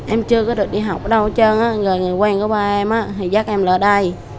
em chưa có được đi học ở đâu hết trơn á rồi người quen của ba em á thì dắt em lại đây